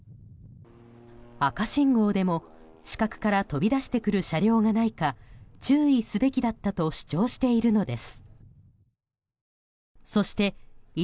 赤信号でも、死角から飛び出してくる車両がないか注意すべきだったと主張しているのです。